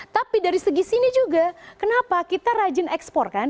tapi dari segi sini juga kenapa kita rajin ekspor kan